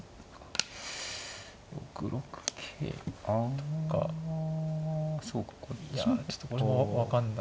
あそうか。